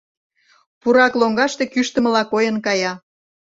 Пурак лоҥгаште кӱштымыла койын кая.